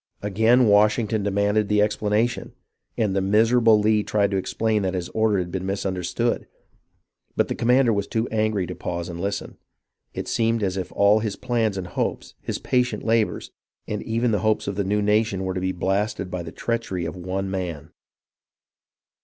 Again Washington demanded the explanation, and the miserable Lee tried to explain that his order had been mis understood, but the commander was too angry to pause and listen. It seemed as if all his plans and hopes, his patient labours, and even the hopes of the new nation were to be blasted by the treachery of one man.